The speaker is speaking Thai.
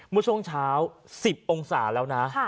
เมื่อช่วงเช้า๑๐องศาแล้วนะ